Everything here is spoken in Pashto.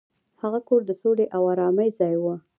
هغه کور د سولې او ارامۍ ځای و.